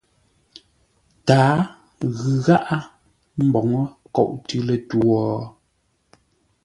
Tǎa ghʉ gháʼá mboŋə́ nkôʼ tʉ̌ lətwǒ?